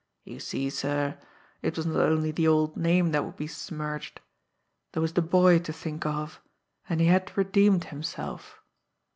You see, sir, it was not only the old name that would be smirched there was the boy to think of, and he had redeemed himself.